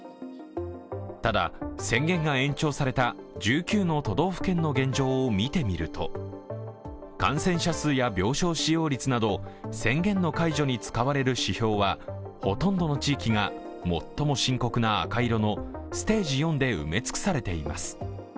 ただ、宣言が延長された１９の都道府県の現状を見てみると感染者数や病床使用率など宣言の解除に使われる指標はほとんどの地域が最も深刻な赤色のステージ４で埋め尽くされています。